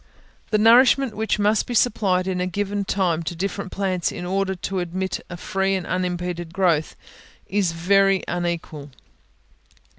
The nourishment which must be supplied in a given time to different plants, in order to admit a free and unimpeded growth, is very unequal.